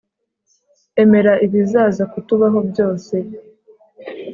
Emera ibizaza kutubaho byose